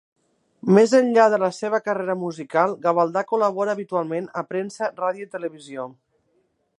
Més enllà de la seva carrera musical, Gavaldà col·labora habitualment a premsa, ràdio i televisió.